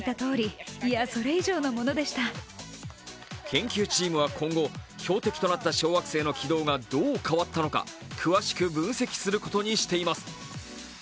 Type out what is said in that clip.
研究チームは今後、標的となった小惑星の軌道がどう変わったのか、詳しく分析することにしています。